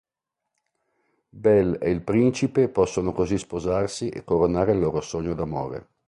Belle e il principe possono così sposarsi e coronare il loro sogno d'amore.